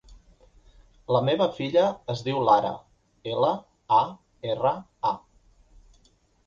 La meva filla es diu Lara: ela, a, erra, a.